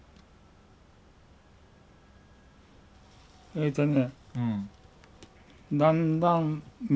ええとね